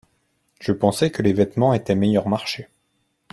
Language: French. Je pensais que les vêtements étaient meilleur marché.